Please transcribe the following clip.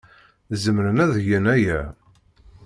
Zemren ad gen aya.